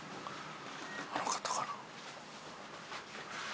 あの方かな。